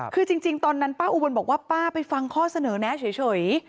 คือจริงตอนนั้นป้าอุบลบอกว่าป้าไปฟังข้อเสนอแนะเฉย